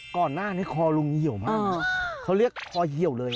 ก่อนหน้านี้คอลุงเหี่ยวมากเขาเรียกคอเหี่ยวเลย